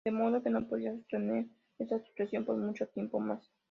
De modo que no podía sostener esa situación por mucho tiempo más.